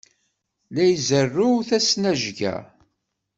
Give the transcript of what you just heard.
La izerrew tasnajya.